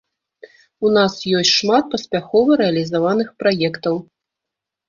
У нас ёсць шмат паспяхова рэалізаваных праектаў.